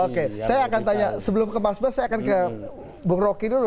oke saya akan tanya sebelum ke mas bas saya akan ke bung roky dulu